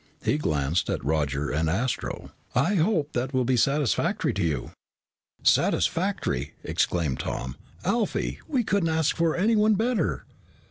He glanced at Roger and Astro. "I hope that will be satisfactory to you." "Satisfactory!" exclaimed Tom. "Alfie, we couldn't ask for anyone better."